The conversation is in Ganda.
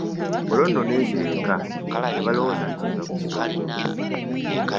Olwo nno ne nzira eka ne balowooza nti nva ku ssomero.